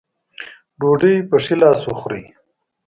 ډوډۍ پۀ ښي لاس وخورئ ـ